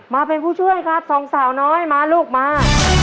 มาเป็นผู้ช่วยครับสองสาวน้อยมาลูกมา